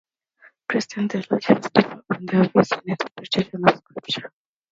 Christian theologians differ on their views and interpretations of scripture.